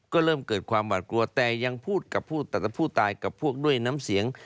ก็เริ่มเกิดความหวาดกลัวแต่ยังพูดกับผู้ตายกับพวกด้วยน้ำเสียง